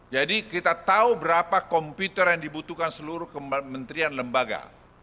jadi kita tahu berapa komputer yang dibutuhkan seluruh kementerian lembaga